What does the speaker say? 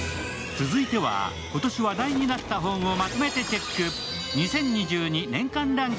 続いては今年話題になった本をまとめてチェック。